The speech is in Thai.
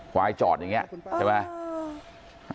ควายจอดอย่างนี้ใช่ไหม